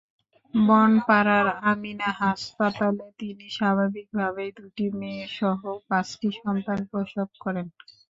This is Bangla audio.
বনপাড়ার আমিনা হাসপাতালে তিনি স্বাভাবিকভাবেই দুটি মেয়েসহ পাঁচটি সন্তান প্রসব করেন।